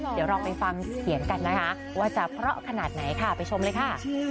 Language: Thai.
เดี๋ยวลองไปฟังเสียงกันนะคะว่าจะเพราะขนาดไหนค่ะไปชมเลยค่ะ